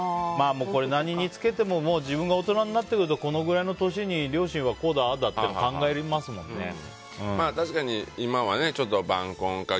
これ、何につけても自分が大人になってくるとこのぐらいの年に両親はこうだ、ああだって確かに、今はちょっと晩婚化